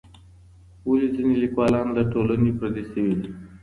ولې ځينې ليکوالان له ټولني پردي سوي دي؟